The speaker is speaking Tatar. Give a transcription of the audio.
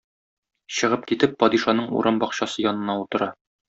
Чыгып китеп падишаның урам бакчасы янына утыра.